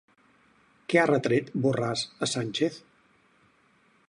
Què ha retret Borràs a Sánchez?